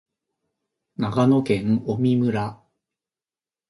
長野県麻績村